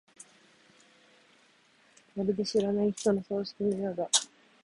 まるで知らない人の葬式のようだ。